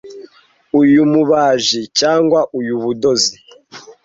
iy'umubaji cyangwa iy'ubudozi